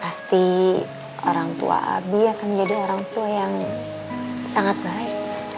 pasti orang tua abi akan menjadi orang tua yang sangat baik